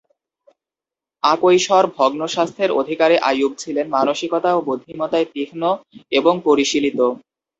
আকৈশোর ভগ্নস্বাস্থ্যের অধিকারী আইয়ুব ছিলেন মানসিকতা ও বুদ্ধিমত্তায় তীক্ষ্ণ এবং পরিশীলিত।